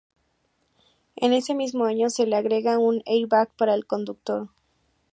En ese mismo año se le agrega un "air-bag" para el conductor.